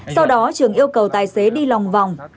sau đó trường yêu cầu tài xế đi lòng vòng